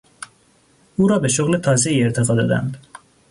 او را به شغل تازهای ارتقا دادند.